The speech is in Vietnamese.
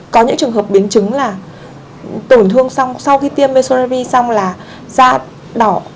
có những trường hợp biến chứng là tổn thương sau khi tiêm mesorepi xong là da đỏ